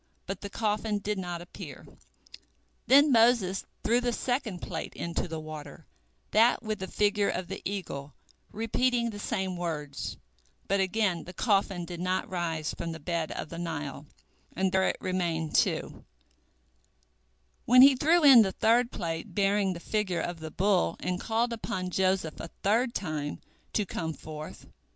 But the coffin did not appear. Then Moses threw the second plate into the water, that with the figure of the eagle, repeating the same words, but again the coffin did not rise from the bed of the Nile, and there it remained, too, when he threw in the third plate bearing the figure of the bull, and called upon Joseph a third time to come forth.